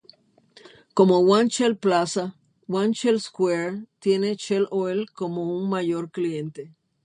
Como One Shell Plaza, One Shell Square tiene Shell Oil como un major cliente.